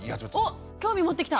おっ興味持ってきた！